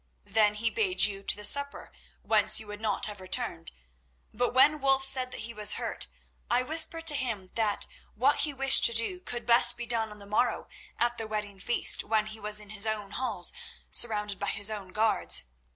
Then he bade you to the supper, whence you would not have returned; but when Sir Wulf said that he was hurt, I whispered to him that what he wished to do could best be done on the morrow at the wedding feast when he was in his own halls, surrounded by his guards.